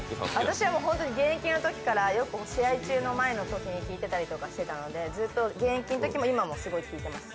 私は現役のときから、試合の前なんかに聴いていたりとかしていたので、ずっと現役のときも今も聴いています。